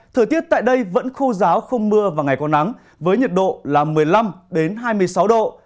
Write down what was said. thời tiết tại đây vẫn khô giáo không mưa và ngày có nắng với nhiệt độ là một mươi năm hai mươi sáu độ